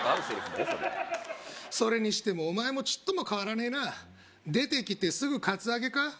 それそれにしてもお前もちっとも変わらねえな出てきてすぐカツアゲか？